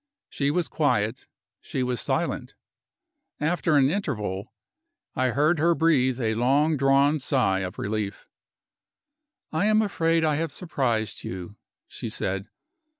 She was quiet, she was silent. After an interval, I heard her breathe a long drawn sigh of relief. "I am afraid I have surprised you," she said.